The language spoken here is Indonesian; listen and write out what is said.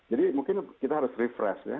jadi mungkin kita harus refresh ya